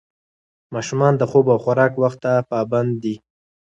ماشومان د خوب او خوراک وخت ته پابند دي.